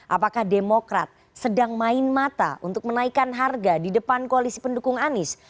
apakah demokrat sedang main mata untuk menaikkan harga di depan koalisi pendukung anies